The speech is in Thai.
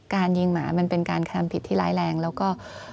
การยิงหมามันเป็นการกระทำผิดที่ร้ายแรงแล้วก็